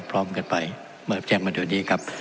พร้อมกันไปเมื่อแจ้งมาเดี๋ยวนี้ครับ